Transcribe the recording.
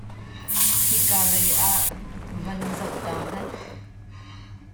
Hi ka leiah van zoh ta hmanh.